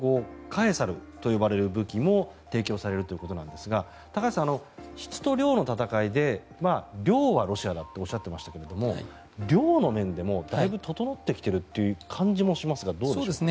カエサルと呼ばれる武器も提供されるということなんですが高橋さん、質と量の戦いで量はロシアだっておっしゃっていましたけど量の面でもだいぶ整ってきているという感じもしますがどうでしょう。